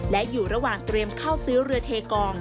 และอยู่ระหว่างเตรียมเข้าซื้อเรือเทกอง